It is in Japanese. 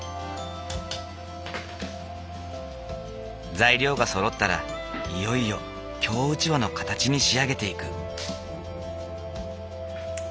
材料がそろったらいよいよ京うちわの形に仕上げていく。